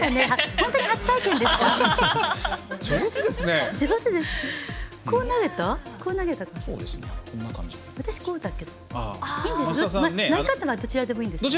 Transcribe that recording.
本当に初体験ですか？